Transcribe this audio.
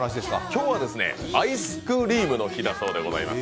今日はアイスクリームの日だそうです。